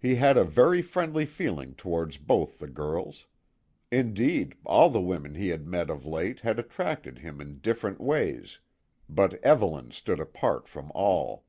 He had a very friendly feeling towards both the girls. Indeed, all the women he had met of late had attracted him in different ways, but Evelyn stood apart from all.